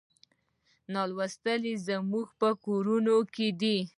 نالوستي زموږ په کورونو کې دي.